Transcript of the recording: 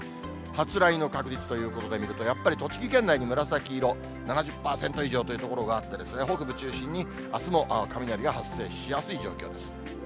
発雷の確率ということで見ると、やっぱり栃木県内の紫色、７０％以上という所があってですね、北部中心にあすも雷が発生しやすい状況です。